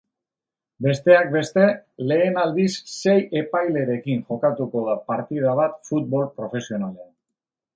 Besteak beste, lehen aldiz sei epailerekin jokatuko da partida bat futbol profesionalean.